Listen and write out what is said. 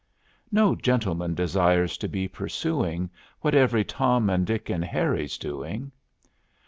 No gentleman desires to be pursuing What every Tom and Dick and Harry's doing.